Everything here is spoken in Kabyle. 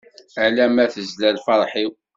Ala ma tezla lferḥ-iw.